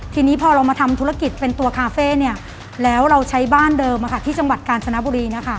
ทีนี้พอเรามาทำธุรกิจเป็นตัวคาเฟ่เนี่ยแล้วเราใช้บ้านเดิมที่จังหวัดกาญจนบุรีนะคะ